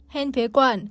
hên phế quản